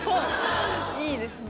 いいですね。